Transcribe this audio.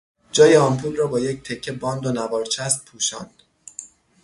جای آمپول را با یک تکه باند و نوار چسب پوشاند.